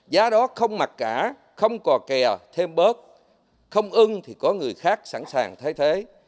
giá đó không mặc cả không cò kè thêm bớt không ưng thì có người khác sẵn sàng thay thế